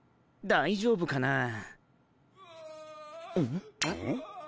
大丈夫かな。